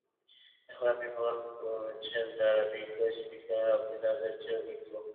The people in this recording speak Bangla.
এখন আপনি প্রমাণ করেছেন, যাঁরা বিজ্ঞ স্পিকার, আপনি তাঁদের চেয়েও বিজ্ঞ।